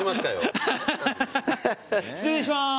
失礼します。